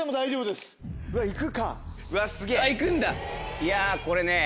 いやこれね。